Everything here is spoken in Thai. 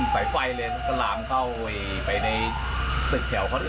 ไฟเลยแล้วก็ลามเข้าไปในสุดแถวเขาด้วย